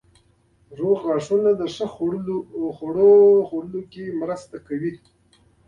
روغ غاښونه د ښه خوړو خوړلو کې مرسته کوي.